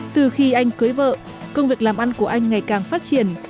từ khi anh cưới vợ công việc làm ăn của anh ngày càng phát triển